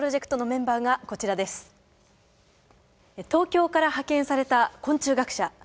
東京から派遣された昆虫学者。